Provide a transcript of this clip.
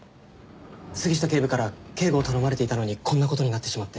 杉下警部から警護を頼まれていたのにこんな事になってしまって。